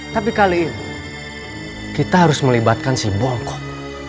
tapi kali ini kita harus melibatkan si bongkot